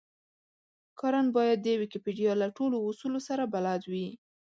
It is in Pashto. کارن بايد د ويکيپېډيا له ټولو اصولو سره بلد وي.